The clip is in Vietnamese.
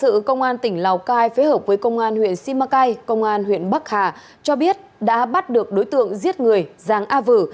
trong hành sự công an tỉnh lào cai phế hợp với công an huyện simacai công an huyện bắc hà cho biết đã bắt được đối tượng giết người giang a vử